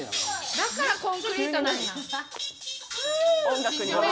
だからコンクリートなんや。